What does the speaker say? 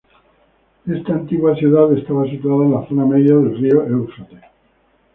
Esta antigua ciudad estaba situada en la zona media del río Éufrates.